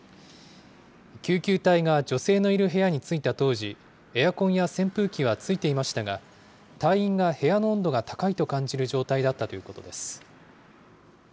救急隊が女性のいる部屋に着いた当時、エアコンや扇風機はついていましたが、隊員が部屋の温度が高いと感じる状態だったということです。